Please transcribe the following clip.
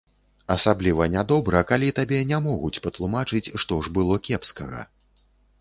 Асабліва нядобра, калі табе не могуць патлумачыць, што ж было кепскага.